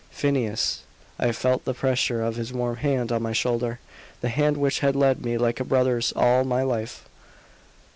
"Phineas!" I felt the pressure of his warm hand on my shoulder the hand which had led me like a brother's all my life.